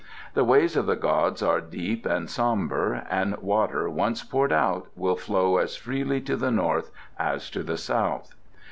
The ways of the gods are deep and sombre, and water once poured out will flow as freely to the north as to the south.